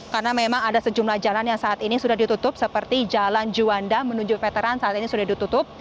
karena memang ada sejumlah jalan yang saat ini sudah ditutup seperti jalan juanda menuju veteran saat ini sudah ditutup